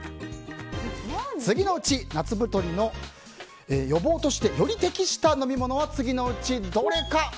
次のうち、夏太りの予防としてより適した飲み物は次のうちどれか。